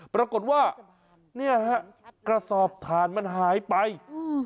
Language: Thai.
ปรากฏว่าเนี้ยฮะกระสอบถ่านมันหายไปอืม